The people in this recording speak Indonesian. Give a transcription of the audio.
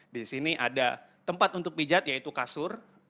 di sini ada tempat untuk pijat yaitu kasur